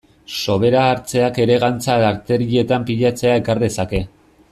Sobera hartzeak ere gantza arterietan pilatzea ekar dezake.